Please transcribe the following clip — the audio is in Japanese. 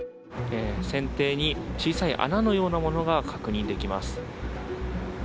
船底に小さい穴のようなものが確認できます。